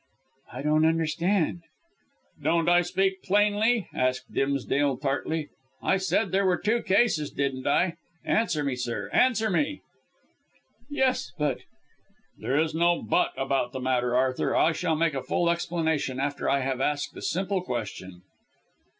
"I don't understand " "Don't I speak plainly?" asked Dimsdale tartly. "I said there were two cases, didn't I? Answer me, sir; answer me?" "Yes, but " "There is no but about the matter, Arthur. I shall make a full explanation after I have asked a simple question."